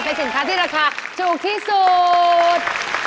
เป็นสินค้าที่ราคาถูกที่สุด